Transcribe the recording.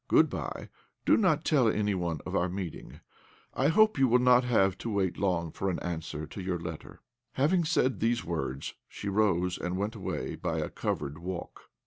Good bye! Do not tell anyone of our meeting. I hope you will not have to wait long for an answer to your letter." Having said these words, she rose and went away by a covered walk.